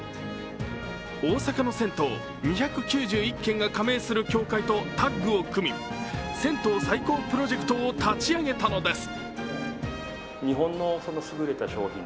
大阪の銭湯２９１軒が加盟する協会とタッグを組み、銭湯再興プロジェクトを立ち上げたのです。